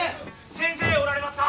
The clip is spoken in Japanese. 先生おられますか！